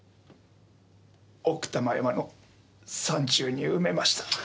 奥多摩山の山中に埋めました。